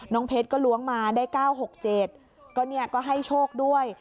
น้องเพชรก็ล้วงมาได้เก้าหกเจ็ดก็ให้โชคด้วย